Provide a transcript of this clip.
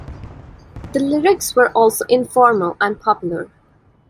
The lyrics were also informal and popular.